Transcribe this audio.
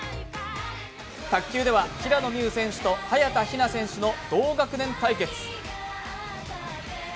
卓球では平野美宇選手と早田ひな選手の同学年対決。